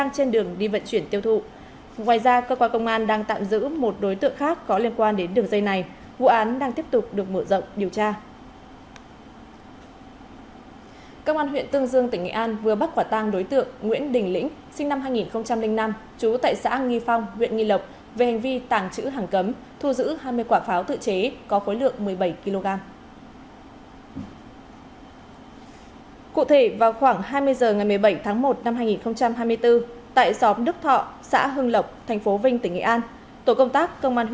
công an huyện tương dương tỉnh nghệ an vừa bắt quả tăng đối tượng nguyễn đình lĩnh sinh năm hai nghìn năm chú tại xã nghi phong huyện nguyễn đình lĩnh sinh năm hai nghìn năm